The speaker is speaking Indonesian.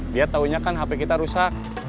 dia taunya kan hp kita rusak